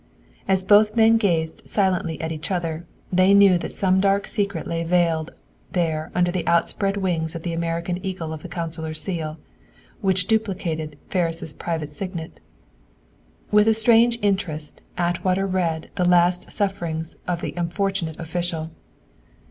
And as both men gazed silently at each other, they knew that some dark secret lay veiled there under the outspread wings of the American eagle of the consular seal, which duplicated Ferris' private signet. With a strange interest, Atwater read of the last sufferings of the unfortunate official.